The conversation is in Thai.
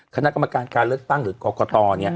คณะกรรมการการเลือกตั้งหรือกรกต